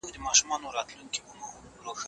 د اقتصاد پوهانو لخوا نوي پلانونه جوړیږي.